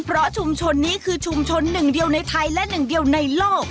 เพราะชุมชนนี้คือชุมชนหนึ่งเดียวในไทยและหนึ่งเดียวในโลก